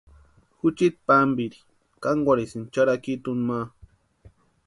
Juchiti pampiri kankwarhsïnti charhakituni ma.